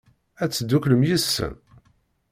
Ad tedduklem yid-sen?